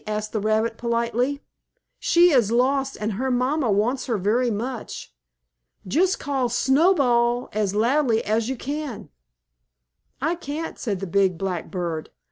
asked the rabbit, politely. "She is lost and her mamma wants her very much. Just call 'Snowball' as loudly as you can." "I can't," said the big black bird.